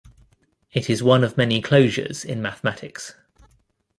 It is one of many closures in mathematics.